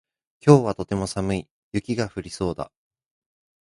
今日はとても寒い。雪が降りそうだ。